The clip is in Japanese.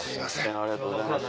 ありがとうございます。